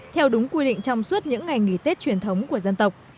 theo đúng quy định trong suốt những ngày nghỉ tết truyền thống của dân tộc